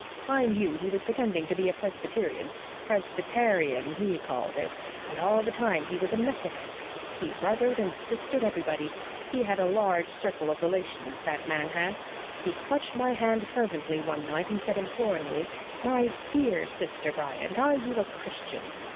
Mind you, he was pretending to be a Presbyterian PresbyTARian, HE called it and all the time he was a Methodist. He brothered and sistered everybody. He had a large circle of relations, that man had. He clutched my hand fervently one night, and said imploringly, 'My DEAR sister Bryant, are you a Christian?'